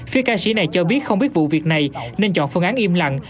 phía ca sĩ này cho biết không biết vụ việc này nên chọn phương án im lặng